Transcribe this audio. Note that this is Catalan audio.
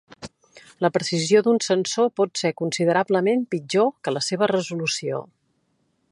La precisió d'un sensor pot ser considerablement pitjor que la seva resolució.